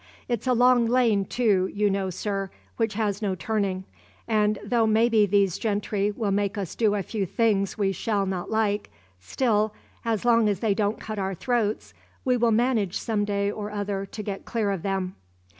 It's a long lane too, you know, sir, which has no turning, and though maybe these gentry will make us do a few things we shall not like, still, as long as they don't cut our throats, we will manage some day or other to get clear of them."